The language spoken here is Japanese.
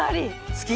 好き？